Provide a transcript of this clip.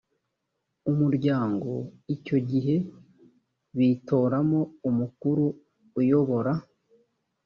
umuryango icyo gihe bitoramo umukuru uyobora